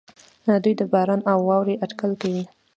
دوی د باران او واورې اټکل کوي.